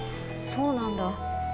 そうなんだ。